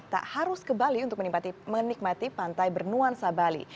tak harus ke bali untuk menikmati pantai bernuansa bali